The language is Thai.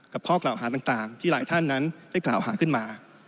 ข้อกล่าวหาต่างที่หลายท่านนั้นได้กล่าวหาขึ้นมา